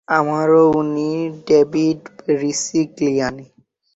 আমারও উনি ডেভিড রিসিগ্লিয়ানি।